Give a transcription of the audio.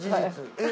えっ？